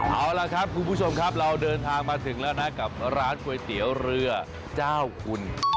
เอาล่ะครับคุณผู้ชมครับเราเดินทางมาถึงแล้วนะกับร้านก๋วยเตี๋ยวเรือเจ้าคุณ